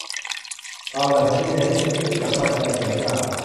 เอาล่ะ ฉันดีใจที่เธอรู้สึกมั่นใจ ฉันกล่าว